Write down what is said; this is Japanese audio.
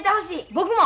僕も！